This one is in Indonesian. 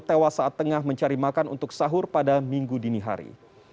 tewas saat tengah mencari makan untuk sahur pada minggu dini hari